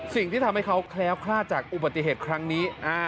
สิ่งที่ทำให้เขาแคล้วคลาดจากอุบัติเหตุครั้งนี้